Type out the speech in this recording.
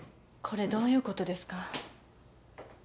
・これどういうことですか？